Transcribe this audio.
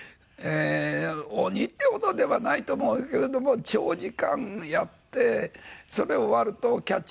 鬼っていうほどではないと思うけれども長時間やってそれで終わるとキャッチボールしてやって。